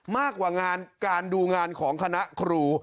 มากกว่างานการดูงานของคณะครู